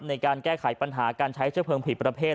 ในการแก้ไขปัญหาการใช้เชื้อเพลิงผิดประเภท